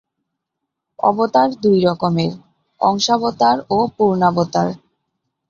অবতার দু রকমের: অংশাবতার ও পূর্ণাবতার।